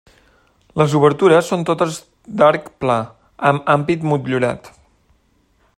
Les obertures són totes d'arc pla amb ampit motllurat.